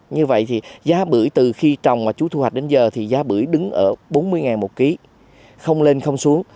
như vậy thì giá bưởi từ khi trồng mà chú thu hoạch đến giờ thì giá bưởi đứng ở bốn mươi một kg không lên không xuống